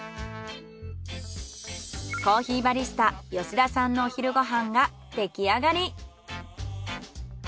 コーヒーバリスタ吉田さんのお昼ご飯が出来上がり。